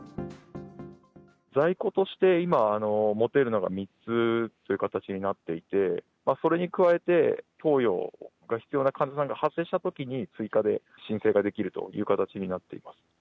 在庫として今、持てるのが３つという形になっていて、それに加えて、投与が必要な患者さんが発生したときに、追加で申請ができるという形になっています。